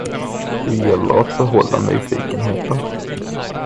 Det gäller att behålla nyfikenheten.